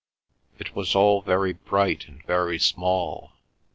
It was all very bright and very small.